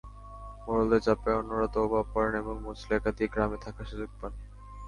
মোড়লদের চাপে অন্যরা তওবা পড়েন এবং মুচলেকা দিয়ে গ্রামে থাকার সুযোগ পান।